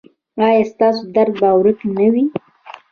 ایا ستاسو درد به ورک نه وي؟